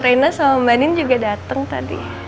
reina sama mbak nin juga datang tadi